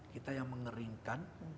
kita yang mengeringkan